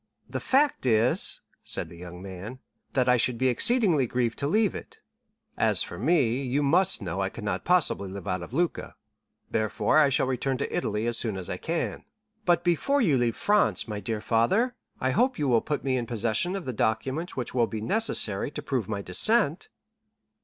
"The fact is," said the young man, "that I should be exceedingly grieved to leave it." "As for me, you must know I cannot possibly live out of Lucca; therefore I shall return to Italy as soon as I can." "But before you leave France, my dear father, I hope you will put me in possession of the documents which will be necessary to prove my descent."